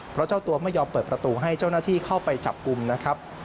เพราะเจ้าตัวไม่ยอมเปิดประตูให้เจ้าหน้าที่เข้าไปจับกลุ่มนะครับ